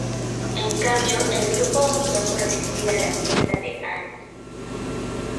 En cambio, el grupo optó por asistir a la fiesta de Ann.